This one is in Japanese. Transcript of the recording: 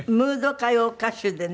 歌謡歌手でね